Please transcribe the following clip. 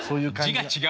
字が違うよ。